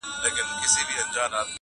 زخمي زړه مي په غمو د جانان زېر سو-